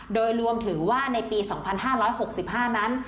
โดยรวมถือว่าในปี๒๕๖๕นั้น